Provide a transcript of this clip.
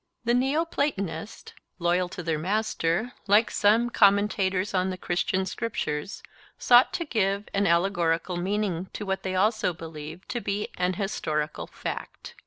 The Neo Platonists, loyal to their master, like some commentators on the Christian Scriptures, sought to give an allegorical meaning to what they also believed to be an historical fact.